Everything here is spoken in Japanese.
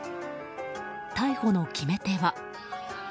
逮捕の決め手は。